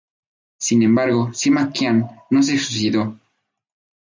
Sin embargo, Sima Qian no se suicidó.